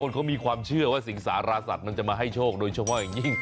คนเขามีความเชื่อว่าสิงสารสัตว์มันจะมาให้โชคโดยเฉพาะอย่างยิ่ง